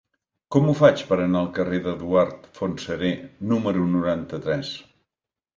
Com ho faig per anar al carrer d'Eduard Fontserè número noranta-tres?